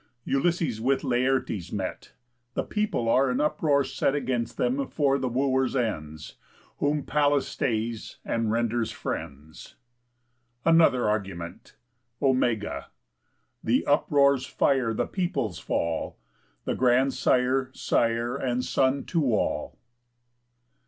Ulysses with Laertes met, The people are in uproar set Against them, for the Wooers' ends; Whom Pallas stays and renders friends. ANOTHER ARGUMENT Ω. The uproar's fire, The people's fall: The grandsire, sire, And son, to all.